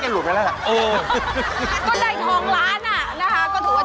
คนที่ให้ทองร้านก็ถือว่า